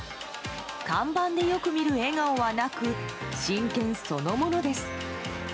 看板でよく見る笑顔はなく真剣そのものです。